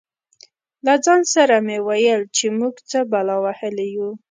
له ځان سره مې ویل چې موږ څه بلا وهلي یو.